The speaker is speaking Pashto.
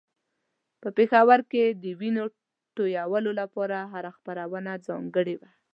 په پېښور کې د وينو تویولو لپاره هره خپرونه ځانګړې وه.